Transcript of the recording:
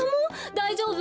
だいじょうぶ？